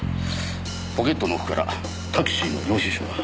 ポケットの奥からタクシーの領収書が。